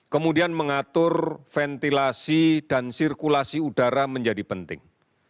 kemudian mengatur ventilasi dan sirkulasi udara menjadi penting